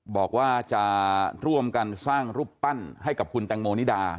บอกว่าจะร่วมกันสร้างรูปปั้นให้กับคุณแตงโมนิดา